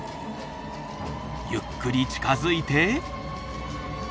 ゆっくり近づいて。